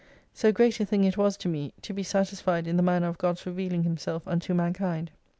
So great a thing it was to me, to be satisfied in the manner of God's revealing Himself unto mankind.